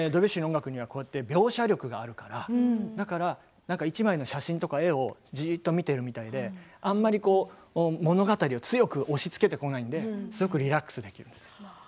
なのでドビュッシーの音楽には描写力があるからだから１枚の写真とか絵を見ているような感じであんまり物語を押しつけてこないのですごくリラックスできるんですよ。